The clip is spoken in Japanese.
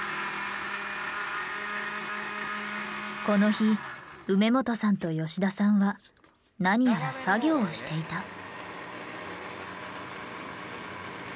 この日梅元さんと吉田さんは何やら作業をしていた。